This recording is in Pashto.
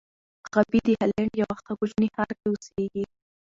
غابي د هالنډ یوه کوچني ښار کې اوسېږي.